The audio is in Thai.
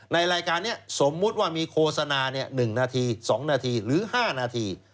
ในรายการนี้สมมุติว่ามีโฆษณา๑นาที๒นาทีหรือ๕นาที